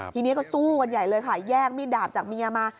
ทีนี้ก็สู้กันใหญ่เลยค่ะแย่งมีดดาบจากเมียมา